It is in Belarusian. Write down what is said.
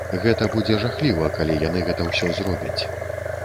Гэта будзе жахліва, калі яны гэта ўсё зробяць.